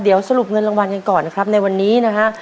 เดี๋ยวสรุปเงินรางวัลกันก่อนนะครับในวันนี้นะฮะ